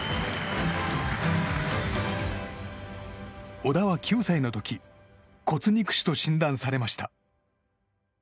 小田は９歳の時骨肉腫と診断されました。